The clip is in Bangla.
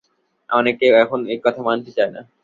অনেকে এখন ও-কথা মানতে চায় না।